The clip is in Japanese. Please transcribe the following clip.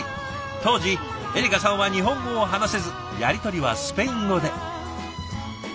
当時エリカさんは日本語を話せずやり取りはスペイン語で。